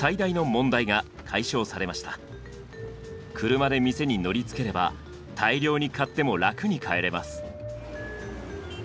車で店に乗りつければ大量に買っても楽に帰れます。